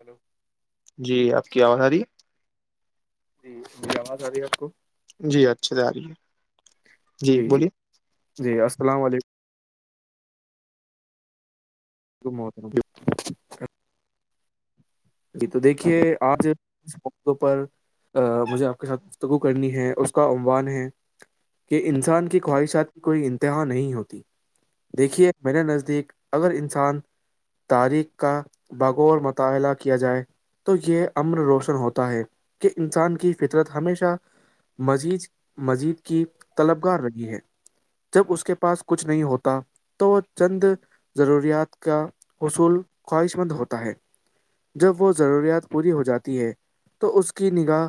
hello [inaudible] جی آپ کی آواز آ رہی جی جی آواز آ رہی ہے آپ کو جی اچھے جا رہی ہے جی بولیے جی السلام علیکم جی محترم جی تو دیکھیے آج اس مدے پر مجھے کے ساتھ گفتگو کرنی ہے اس کا عنوان ہے کہ انسان کی خواہشات کی کوئی انتہا نہیں ہوتی دیکھیے میریے نزدیک اگر انسان تاریخ کا بغور مطالعہ کیا جائے تو یہ امن روشن ہوتا ہے کہ انسان کی فطرت ہمیشہ مزید مزید کی طلب گار رہی ہے جب اس کے پاس کچھ نہیں ہوتا تو وہ چند ضروریات کا حصول خواہش مند ہوتا ہے جب وہ ضروریات پوری ہو جاتی ہے تو اس کی نگاہ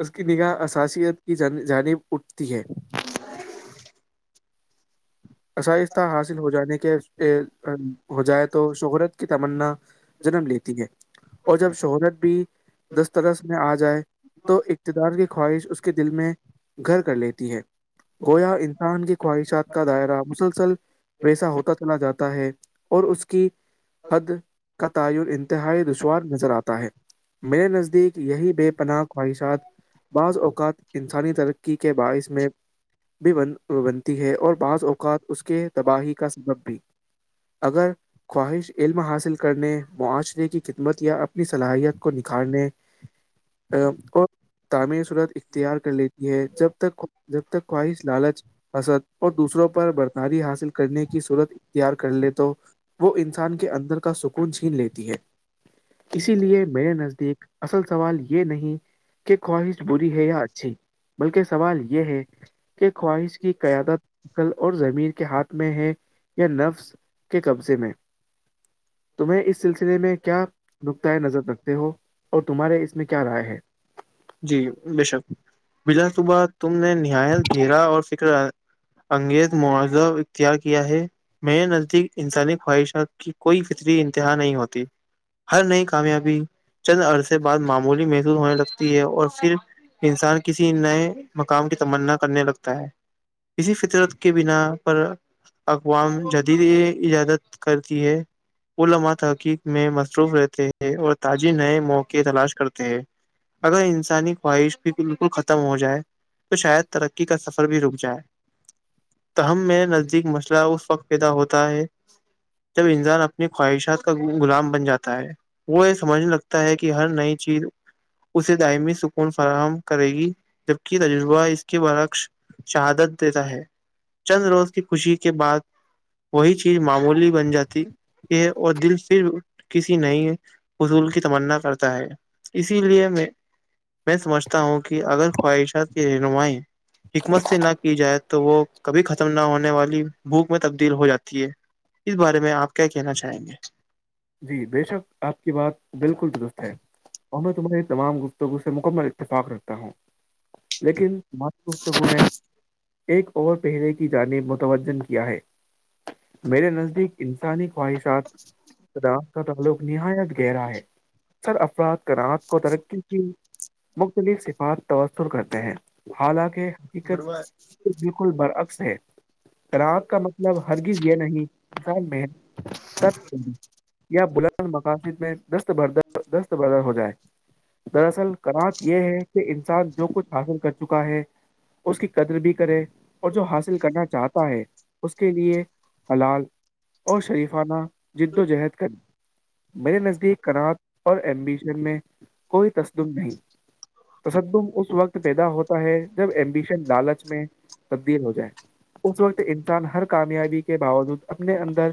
اس کی نگاہ اساسیت کی جانب اٹھتی ہے [inaudible] آائستہ حاصل ہو جانے کے ہو جائے تو شہرت کی تمنا جنم لیتی ہے اور جب شہرت بھی دسترس میں آ جائے تو اقتدار کی خواہش اس کے دل میں گھر کر لیتی ہے گویا انسان کی خواہشات کا دائرہ مسلسل ویسا ہوتا چلا جاتا ہے اور اس کی حد کا تعین انتہائی دشوار نظر آتا ہے میرے نزدیک یہی بے پناہ خواہشات بعض اوقات انسانی ترقی کے باعث میں بھی بن بنتی ہے اور بعض اوقات اس کے تباہی کا سبب بھی اگر خواہش علم حاصل کر کرنے معاشرے کی خدمت یا اپنی صلاحیت کو نکھارنے ا کو تعمیر صورت اختیار کر لیتی ہے جب تک جب تک خواہش لالچ اد اور دوسروں پر برتاری حاصل کرنے کی صورت اختیار کر لے تو وہ انسان کے اندر کا سک کون چھین لیتی ہے اسی لیے میرے نزدیک اصل سوال یہ نہیں کہ خواہش بری ہے یا اچھی بلکہ سوال یہ ہے کے خواہش کی قیادت کل اور زمین کے ہاتھ میں ہے یا نفس کے قبضے میں تمہیں اس سلسلے میں کیا نختاۂ نظر رکھتے ہو اور تمہارے اس میں کیا رائے ہے جی بے شک بلا صبح تم نے نہایت گھیرا اور فکر انگیز معضہ اختیار کیا ہے [unintelligible] میرے نزدیک انسانی خواہشات کی کوئی فطری انتہا نہیں ہوتی ہر نئی کامیابی چند عرصے بعد معمولی محسوس ہونے لگ ہے اور پھر انسان کسی نئے مقام کی تمنا کرنے لگتا ہے کسی فطرت کے بنا پر اقوام جدید اجازت کرتی ہے وہ لمحہ تحقیق میں مصروف رہتے ہیں اور تاجی نئے موقعے تلاش کرتے ہیں اگر انسانی خواہش بھی بالکل ختم ہو جائے تو شاید ترقی کا سفر بھی رک جائے ت ہمم میں نزدیک مسئلہ اس وقت پیدا ہوتا ہے جب انسان اپنی خواہشات کا غلام بن جاتا ہے وہ یہ سمجھنے لگتا ہے کہ ہر نئی چیز اسے دائمی سکون فراہم کرے گی جبک تجربہ اس کے برعکش شہادت دیتا ہے چند روز کی خوشی کے بعد وہی چیز معمولی بن جاتی یہ اور دل پھر کسی نئی حضول کی تمنا کرتا ہے اسی لیے میں میں سمجھتا ہوں کہ اگر خواہشات کی رہنمائی حکمت سے نہ کی جائے تو وہ کبھی ختم نہ ہونے والی بھوک میں تبدیل ہو جاتی ہے اس بارے میں آپ کیا کہنا چاہیں گے جی بے شک آپ کی بات بالکل درست ہے اور میں تمہاری تمام گفتگو سے مکمل اتفاق رکھتا ہوں لیکن م گفتگون ایک اوور پٹہرے کی جانب متوجہ کیا ہے میرے نزدیک انسانی خواہشات [inaudible] [inaudible] عت کا تعلق نہایت گہرا ہے اکثر افراد کراعت کو ترقی کی مختلف صفات توثر کرتے ہیں حالانکہ گے حقت بالکل برعکس ہے رات کا مطلب ہرگز یہ نہیں انسان میں تب یا بلند مقاصد میں دست برد دست بردر ہو جائے دراصل کرانچ یہ ہے کہ انسان جو کچھ حاصل کر چکا ہے اس کی قدر بھی کرے اور جو حاصل کرنا چاہتا ہے اس کے لیے حلال اور شریفانہ جد و جہد کرنی میرے نزدیک کناات اور ایمبیشن میں کوئی تسدم نہیں تصدم اس وقت پیدا ہوتا ہے جب ایمبیشن لالچ میں تیل ہو جائے اس وقت انسان ہر کامیابی کے باوجود اپنے اندر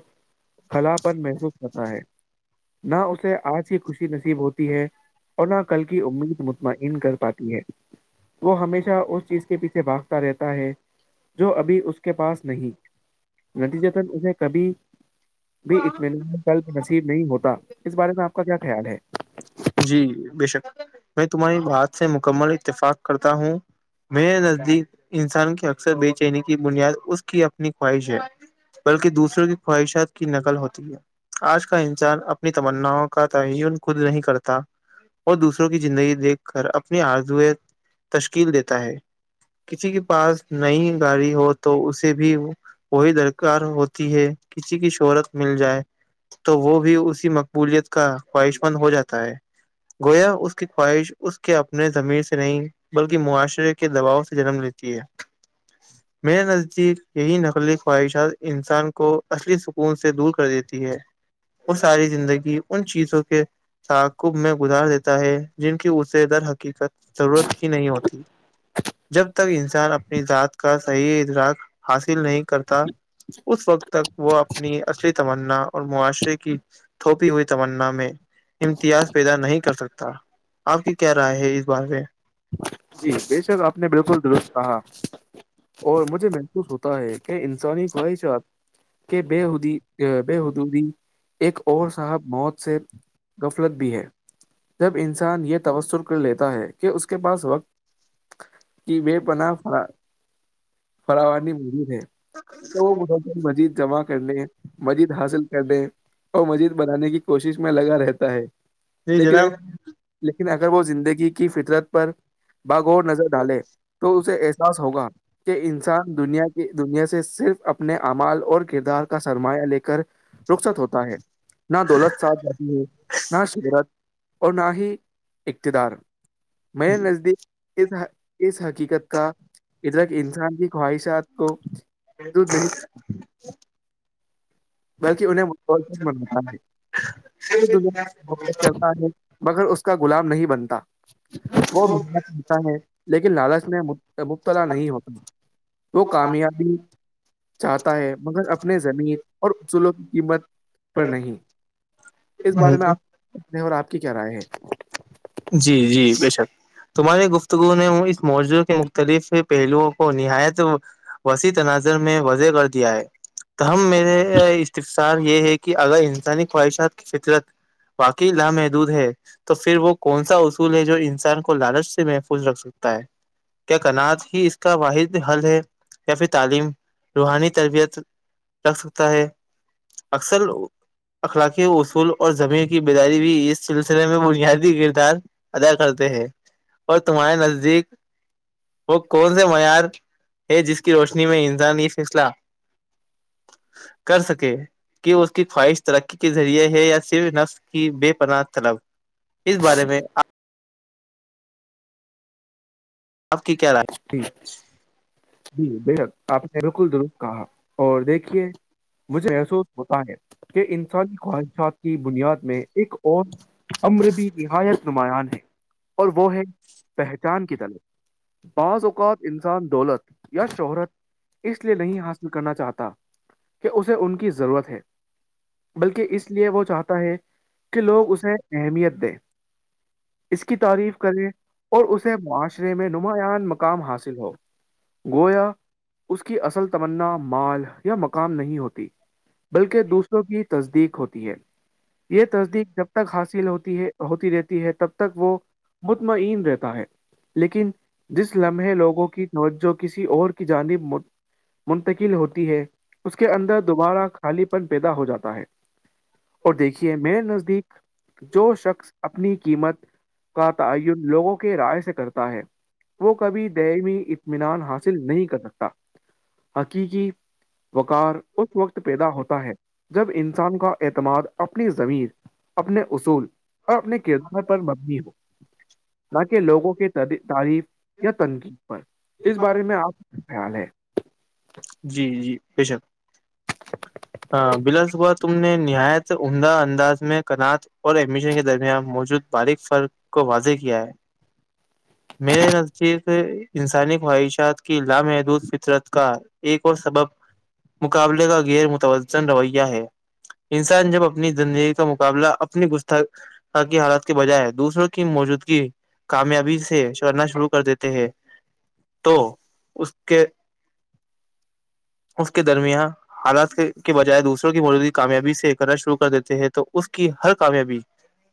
حلاپن [unintelligible] پتا ہے [unintelligible] نہ اسے آج کی خوشی نصیب ہوتی ہے اور نہ کل کی امید مطمئعن کر پاتی ہے وہ ہمیشہ اس چیز کے پیچھے بھاگتا رہتا ہے جو ابھی اس کے پاس نہیں ندی چتن اسے کبھی بھی اطمین کل نصیب نہیں ہوتا اس بارے میں آپ کا کیا خیال ہے جی بے شک میں تمہاری بات سے مکمل اتفاق کرتا ہوں میرے نزدیک انسان کی اکثر بے چینی کی بنیاد اس کی اپنی خواہش ہے بلکہ دوسروں کی خواہشات کی نقل ہوتی ہے آج کا انسان اپنی تمناؤں کا تعین خود نہیں کرتا اور دوسروں کی زندگی دیکھ کر اپنی آرزوئے تشکیل دیتا ہے کسی کے پاس نئی گاڑی ہو تو اسے بھی وہی درکار ہوتی ہے کسی کی شہرت مل جائے تو وہ بھی اسی مقبولیت کا خواہش مند ہو جاتا ہے گویا اس کی خواہش اس کے اپنے زمیر سے نہیں بلکہ معاشرے کے دباؤ سے جنم لیتی ہے میرے نزدیک یہی نقلی خواہشات انسان کو اصلی سکون سے دور کر دیتی ہے وہ ساری زندگی ان چیزوں کے ساتھ کبھ میں گزار دیتا ہے جن کی اسے در حقیقت ضرورت ہی نہیں ہوتی جب تک انسان اپنی ذات کا صحیح ادراک حاصل نہیں کرتا اس وقت تک وہ اپنی اصلی تمنا اور معاشرے کی تھوپی ہوئی تمنا میں تیاز پیدا نہیں کر سکتا آپ کی کیا رائے ہے اس بار میں جی بے شک آپ نے بالکل درست کہا اور مجھے ہوتا ہے کہ انسانی خواہشات کے بے حودی بے حدودی ایک اور صاحب موت سے غفلت بھی ہے جب انسان یہ توسر کر لیتا ہے کہ اس کے پاس وقت کی بے پناہ فراو مضی ہے تو وہ م مجید جمع کرنے مجید حاصل کرنے اور مزید بنانے کی کوشش میں لگا رہتا ہے جی لیکن لیکن اگر وہ زندگی کی فطرت پر باغور نظر ڈالے تو اسے احساس ہوگا کہ انسان دنیا کی دنیا سے صرف اپنے اعمال اور کردار کا سرمایہ لے کر رخصت ہوتا ہے نہ دولت ساتھ جاتی نہ شرات اور نہ ہی اقتدار میں نزدیک اس اس حقیقت کا ادھرک انسان کی خواہشات کوود نہیں [inaudible] [unintelligible] [unintelligible] بلقہ جناب انیں م مل ہے دیا کرتا ہے مگر اس کا غلام نہیں بنتا وہ محنت کرتا ہے لیکن لالچ میں مبتلا نہیں ہوتا وہ کامیابی چاہتا ہے مگر اپنے زمیر اصولوں کی قیمت پر نہیں اس بارے میں آپ نے اور آپ کی کیا رائے ہے جی جی بے شک تمہاراریے گفتگو نے اس موضوع کے مختلف پہلوؤں کو نہایت وسیع تناظر میں وضح کر دیا ہے ت ہم میرے اتفصار یہ ہے کہ اگر انسانی خواہشات کی فطرت باقی لامحدود ہے تو پھر وہ کون سا اصول ہے جو انسان کو لالچ سے محفوظ رکھ سکتا ہے کیا کناعات ہی اس کا واحد حل ہے یا پھر تعلیم روحانی تربیت لگ سکتا ہے اکثر اخلاقی اصول اور زمین کی بیداری بھی اس سلسلے میں بنیادی گرد ادا کرتے ہیں اور تمہارے نزدیک وہ کون سے معیار ہے جس کی روشنی میں انسان یہ فسلہ کر سکے کہ اس کی خواہش ترقی کے ذریعے ہے یا صرف نقس کی بے پناہ طلب اس بارے میں آپ آپ کی کیا رائے ج جی بےشک آپ نے بالکل درست کہا اور دیکھیے مجھے احسوس ہوتا ہے کہ انسانی خواہشات کی بنیاد میں ایک اور امربی نہایت نماں ہے اور وہ ہے پہچان کی طلے پانچ اوقات انسان دولت یا شہرات اس لیے نہیں حاصل کرنا چاہتا کہ اسے ان کی ضرورت ہے بلکہ اس لیے وہ چاہتا ہے کہ لوگ اسے اہمیت دیں اس کی تعریف کرے اور اسے معاشرے میں نمایاں مقام حاصل ہو گویا اس کی اصل تمنا مال یا م کام نہیں ہوتی بلکہ دوسروں کی تصدیق ہوتی ہے یہ تصدیق جب تک حاصل ہوتی ہے ہوتی رہتی ہے تب تک وہ مطمئین رہتا ہے لیکن جس لمحے لوگوں کی توجہ کسی اور کی جانب منتقل ہوتی ہے اس کے اندر دوبارہ خالی پن پیدا ہو جاتا ہے اور دیکھیے میرے نزدیک جو شخص اپنی قیمت کا تعین لوگوں کے رائے سے کرتا ہے وہ کبھی دائمی اطمینان حاصل نہیں کر سکتا حقیقی وقار اس وقت پیدا ہوتا ہے جب انسان کا اعتماد اپنی زمیر اپنے اصول اور اپنے کردار پر مبنی ہو نہ کہ لوگوں کی تعریف یا تنقید پر اس بارے میں آپ کا خیال ہے جی جی بےشک ہاں بلاسبا تم نے نہایت عمدہ انداز میں کنات اور ایڈمیشن کے درمیان موجود باریک فرق کو واضح کیا ہے میرے نزدیک انسانی خواہشات کی لامحدود فطرت کا ایک اور سبب مقابلے کا غیر متوجن رویہ ہے انسان جب اپنی زندگی کا مقابلہ اپنی گستا کی حالات کے بجائے دوسروں کی موجودگی کامیابی سے چڑنا شروع کر دیتے ہیں تو اس کے اس کے درمیان حالات کے بجائے دوسروں کی موجودی کامیابی سے کرنا شروع کر دیتے ہیں تو اس کی ہر کامیابی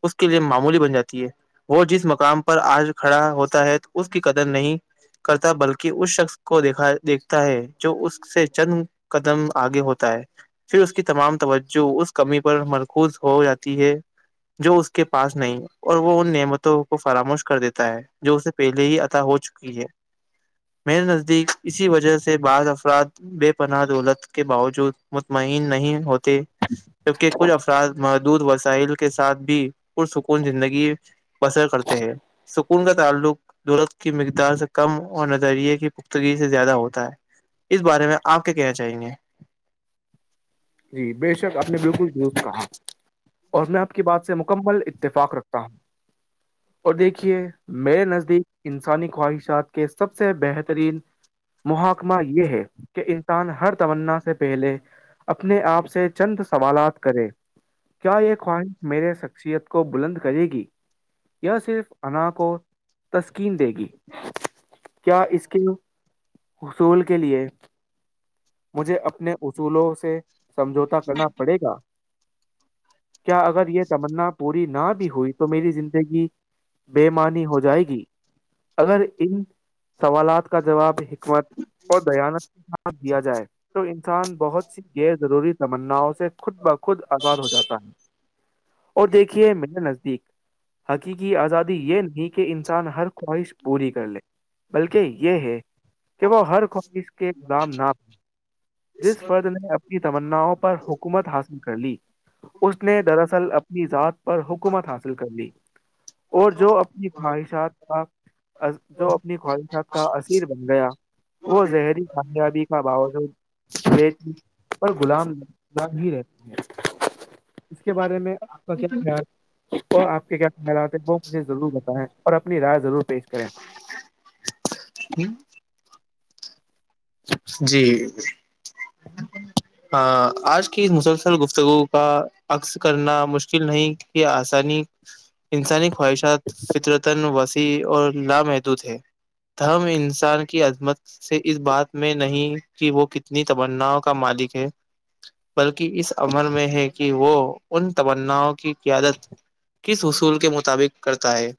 اس کے لیے معمولی بن جاتی ہے وہ جس مقام پر آج کھڑا ہوتا ہے اس کی قدر نہیں کرتا بلکہ اس شخص کو دھا دیک تا ہے جو اس سے چند قدم آگے ہوتا ہے پھر اس کی تمام توجہ اس کمی پر مرکوز ہو جاتی ہے جو اس کے پاس نہیں ہے اور وہ ان نعمتوں کو فراموش کر دیتا ہے جو اس سے پہلے ہی عطا ہو چکی ہے میرے نزدیک اسی وجہ سے بعض افراد بے پناہ دولت کے باوجود مطمئن نہیں ہوتے جبکہ کچھ افراد محدود وسائل کے ساتھ بھی پرسکون زندگی بسر کرتے ہیں سکون کا تعلق دورت کی مقدار سے کم اور نظریے کی پختگی سے زیادہ ہوتا ہے اس بارے میں آپ کیا کہنا چاہیں گے جی بے شک آپ نے بالکل ضرور کہا اور میں آپ کی بات سے مکمل اتفاق رکھتا ہوں تو [inaudible] اور دیکھیے میرے نزدیک انسانی خواہشات کے سب سے بہترین محکمہ یہ ہے کہ انسان ہر تونا سے پہلے اپنے آپ سے چند سوالات کرے کیا یہ خواہش میرے شخصیت کو بلند کرے گی صرف انا کو تسکین دے گی کیا اس کے حصول کے لیے مجھے اپنے اصولوں سے سمجھوتا کرنا پڑے گا کیا اگر یہ تمنا پوری نہ بھی ہوئی تو میری زندگی بےمانی ہو جائے گی اگر ان سوالات کا جواب حکمت اور دیانت کے ساتھ دیا جائے تو انسان بہت سی غیر ضروری تمناؤں سے خود بخود آزاد ہو جاتا ہے اور دیکھیے میرے نزدیک حقیقی آزادی یہ نہیں کہ انسان ہر خواہش پوری کر لے بلکہ یہ ہے کہ وہ ہر خواہش کے گودام نہ جس فرد نے اپنی تمناؤں پر حکومت حاصل کر لی اس نے دراصل اپنی ذات پر حکومت حاصل کر لی اور جو اپنی خواہشات جو اپنی خواہشات کا اصیر بن گیا وہ زہری کامیابی [inaudible] اور غلام بانگی ہی رہتے ہیں اس کے بارے میں آپ کا کیا خیال وہ آپ کے کیا خیالاتتے ہیں وہ مجھے ضرور بتائیں اور اپنی رائے ضرور پیش کریں [inaudible] جی ہاں آج کی مسلسل گفتگو کا عکس کرنا مشکل نہیں کہ آسانی انسانی خواہشات فطرتا وسیع اور لامحدود ہے دم انسان کی عظمت سے اس بات میں نہیں کہ وہ کتنی تمناؤں کا مالک ہے بلکہ اس عمل میں ہے کہ وہ ان تمناؤں کی قیادت کس اصول کے مطابق کرتا ہے